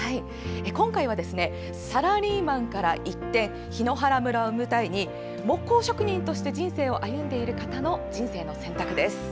今回はサラリーマンから一転檜原村を舞台に木工職人としての人生を歩んでいる方の「人生の選択」です。